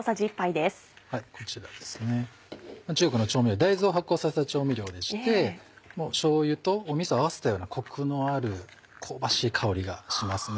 中国の調味料大豆を発酵させた調味料でしてしょうゆとみそを合わせたようなコクのある香ばしい香りがしますね。